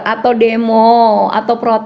atau demo atau protes